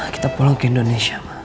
kita pulang ke indonesia